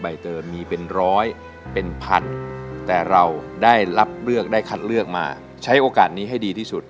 เติมมีเป็นร้อยเป็นพันแต่เราได้รับเลือกได้คัดเลือกมาใช้โอกาสนี้ให้ดีที่สุด